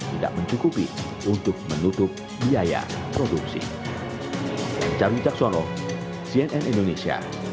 tidak mencukupi untuk menutup biaya produksi